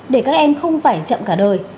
để các em không phải chậm cả đời